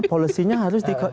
polisinya harus dikawal